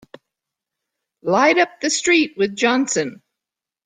Light up with the street with Johnson!